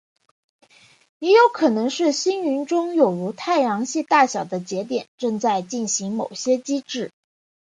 也有可能是星云中有如太阳系大小的节点正在进行某些机制。